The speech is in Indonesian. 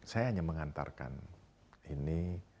saya hanya mengantarkan ini